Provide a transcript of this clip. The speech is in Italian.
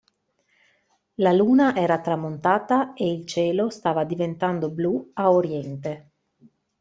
La Luna era tramontata e il cielo stava diventando blu a Oriente.